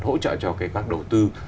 hỗ trợ cho các đầu tư